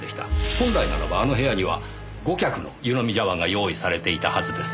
本来ならばあの部屋には５脚の湯のみ茶碗が用意されていたはずです。